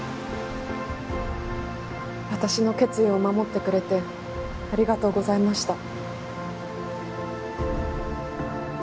私の決意を守ってくれてありがとうございました。